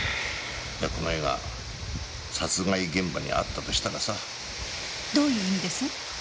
いやこの絵が殺害現場にあったとしたらさ。どういう意味です？